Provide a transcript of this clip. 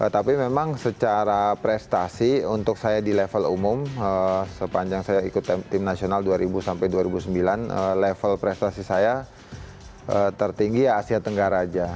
tapi memang secara prestasi untuk saya di level umum sepanjang saya ikut tim nasional dua ribu sampai dua ribu sembilan level prestasi saya tertinggi asia tenggara aja